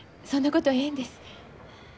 そんなことはええんです。